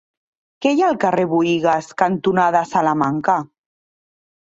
Què hi ha al carrer Buïgas cantonada Salamanca?